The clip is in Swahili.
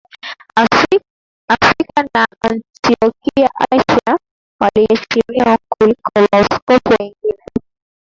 Afrika na Antiokia Asia waliheshimiwa kuliko maaskofu wengine